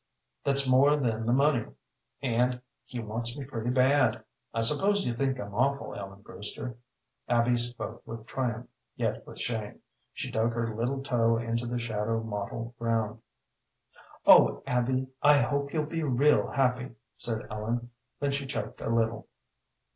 That's more than the money, and he wants me pretty bad. I suppose you think I'm awful, Ellen Brewster." Abby spoke with triumph, yet with shame. She dug her little toe into the shadow mottled ground. "Oh, Abby, I hope you'll be real happy," said Ellen. Then she choked a little.